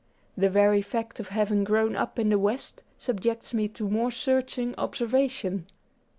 The very fact of having grown up in the West, subjects me to more searching observation.